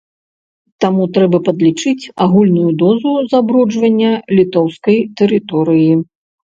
Таму трэба падлічыць агульную дозу забруджвання літоўскай тэрыторыі.